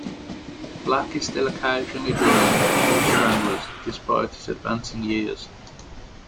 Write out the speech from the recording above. Black is still occasionally drumming for the Stranglers, despite his advancing years.